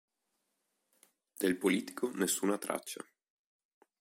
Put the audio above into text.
Del politico nessuna traccia.